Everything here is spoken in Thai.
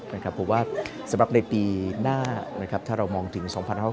เพราะว่าสำหรับในปีหน้าถ้าเรามองถึง๒๐๖๖